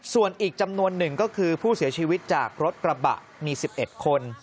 ส่วนอีกจำนวนหนึ่งก็คือผู้เสียชีวิตจากรถกระบะมี๑๑คน